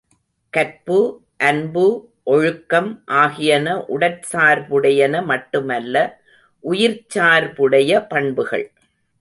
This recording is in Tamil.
கற்பு, அன்பு, ஒழுக்கம் ஆகியன உடற் சார்புடையன மட்டுமல்ல உயிர்ச் சார்புடைய பண்புகள்.